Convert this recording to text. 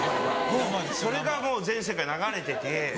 それがもう全世界流れてて。